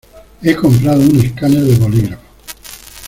He comprado un escáner de bolígrafo.